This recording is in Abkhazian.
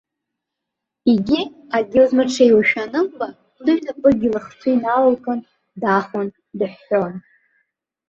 Егьи, акгьы лызмырҽеиуашәа анылба, лыҩнапыкгьы лыхцәы иналалкын, дахон, дыҳәҳәон.